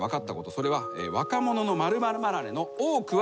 それは若者の○○離れの多くは。